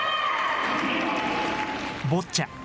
ボッチャ。